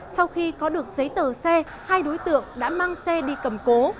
sau khi có được giấy tờ xe hai đối tượng đã mang xe đi cầm cố